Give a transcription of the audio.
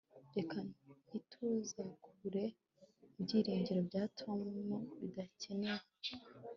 reka ntituzakure ibyiringiro bya tom bidakenewe